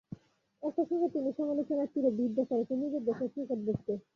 একই সঙ্গে তিনি সমালোচনার তিরে বিদ্ধ করেছেন নিজের দেশের ক্রিকেট বোর্ডকেও।